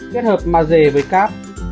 kết hợp maze với cáp